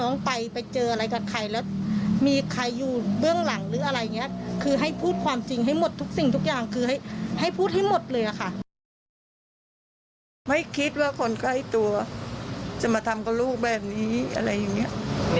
ในใจยังเชื่อว่าลูกมันอาจจะโดนหวางยาหรือว่า